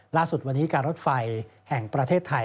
ล่าสุดวันนี้การรถไฟแห่งประเทศไทย